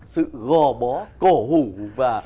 sự gò bó cổ hủ và